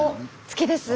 好きです。